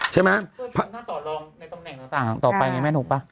ใช่ไหมถ้าต่อรองในตำแหน่งต่างต่อไปไงแม่ถูกป่ะ